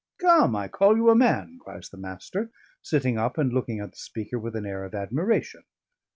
"Come, I call you a man," cries the Master, sitting up and looking at the speaker with an air of admiration.